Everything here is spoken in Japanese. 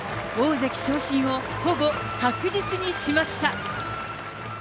大関昇進をほぼ確実にしました。